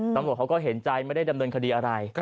ตำรวจเขาก็เห็นใจไม่ได้ดำเนินคดีอะไร